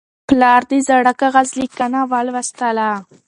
پلار د زاړه کاغذ لیکنه ولوستله.